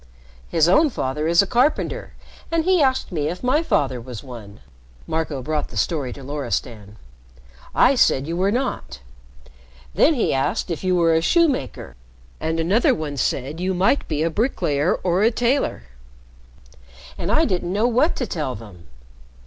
"His own father is a carpenter, and he asked me if my father was one," Marco brought the story to Loristan. "I said you were not. Then he asked if you were a shoemaker, and another one said you might be a bricklayer or a tailor and I didn't know what to tell them."